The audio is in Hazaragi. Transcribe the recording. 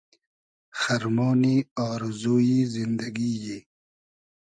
خئرمۉنی آرزو یی زیندئگی یی